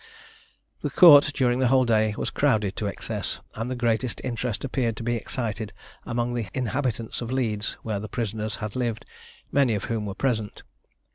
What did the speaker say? The court during the whole day was crowded to excess, and the greatest interest appeared to be excited amongst the inhabitants of Leeds, where the prisoners had lived, many of whom were present.